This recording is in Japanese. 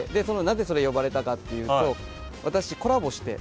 なぜそれ呼ばれたかっていうと私コラボして。